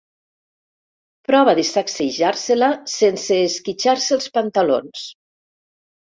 Prova de sacsejar-se-la sense esquitxar-se els pantalons.